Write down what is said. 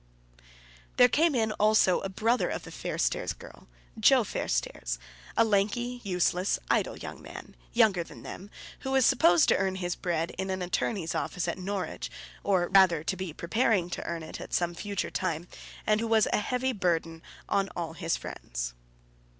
There came in also a brother of the Fairstairs girls, Joe Fairstairs, a lanky, useless, idle young man, younger than them, who was supposed to earn his bread in an attorney's office at Norwich, or rather to be preparing to earn it at some future time, and who was a heavy burden upon all his friends.